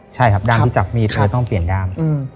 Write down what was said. ใช่ครับด้ามที่จับมีดเธอต้องเปลี่ยนด้าม